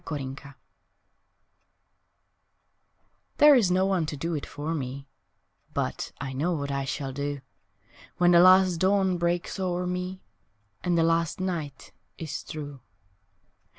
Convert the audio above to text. Last Things THERE is no one to do it for me, But I know what I shall do When the last dawn breaks o'er me And the last night is through.